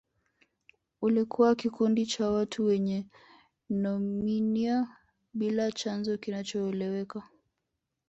Ulikuwa kikundi cha watu wenye nimonia bila chanzo kinachoeleweka